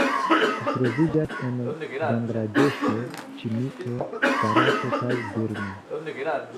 Ĝi troviĝas en Bangladeŝo, Ĉinio, Barato kaj Birmo.